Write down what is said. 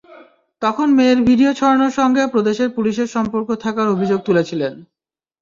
তখন mayor video ছড়ানোর সঙ্গে প্রদেশের পুলিশের সম্পর্ক থাকার অভিযোগ তুলেছিলেন।